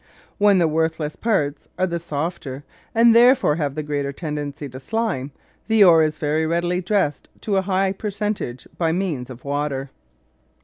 When the worthless parts are the softer and therefore have the greater tendency to "slime," the ore is very readily dressed to a high percentage by means of water.